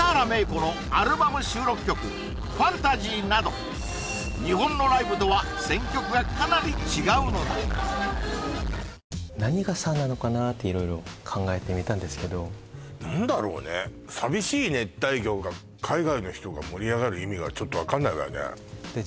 このアルバム収録曲「ＦＡＮＴＡＳＹ」など日本のライブとは選曲がかなり違うのだ何が差なのかなって色々考えてみたんですけど何だろうね「淋しい熱帯魚」が海外の人が盛り上がる意味がちょっと分かんないわよねで